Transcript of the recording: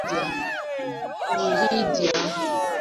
kurudia viwango vya awali vya alostati na hivyo